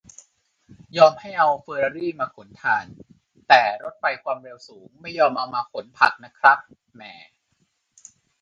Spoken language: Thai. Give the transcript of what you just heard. "ยอมให้เอาเฟอร์รารี่มาขนถ่าน แต่รถไฟความเร็วสูงไม่ยอมเอามาขนผักนะครับ แหม่"